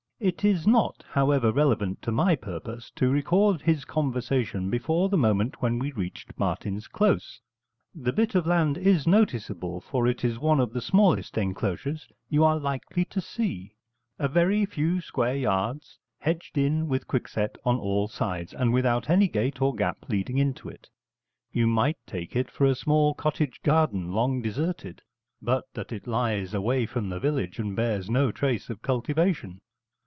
It is not, however, relevant to my purpose to record his conversation before the moment when we reached Martin's Close. The bit of land is noticeable, for it is one of the smallest enclosures you are likely to see a very few square yards, hedged in with quickset on all sides, and without any gate or gap leading into it. You might take it for a small cottage garden long deserted, but that it lies away from the village and bears no trace of cultivation.